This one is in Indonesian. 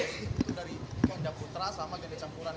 itu dari tunggal putra sama gede campuran